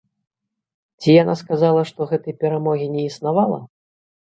Ці яна сказала, што гэтай перамогі не існавала?